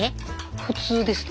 普通ですね